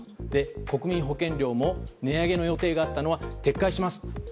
国民保険料も値上げの予定があったのが撤回します。